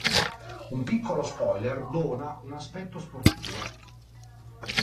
Un piccolo spoiler dona un aspetto sportivo.